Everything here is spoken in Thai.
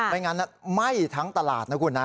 ไม่งั้นไหม้ทั้งตลาดนะคุณนะ